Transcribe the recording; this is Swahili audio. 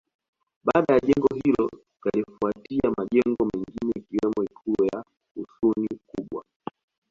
Baada ya jengo hilo yalifuatia majengo mengine ikiwemo Ikulu ya Husuni Kubwa